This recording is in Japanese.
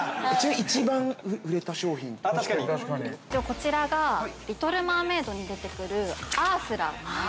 ◆こちらが「リトル・マーメイド」に出てくるアースラ。